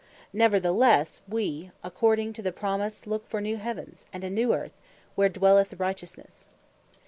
Neverthelesse, we according to the promise look for new Heavens, and a new Earth, wherein dwelleth righteousnesse."